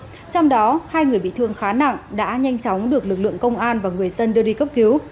trong đó hai người bị thương khá nặng đã nhanh chóng được lực lượng công an và người dân đưa đi cấp cứu